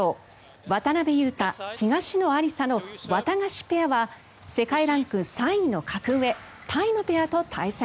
渡辺勇大・東野有紗のワタガシペアは世界ランク３位の格上タイのペアと対戦。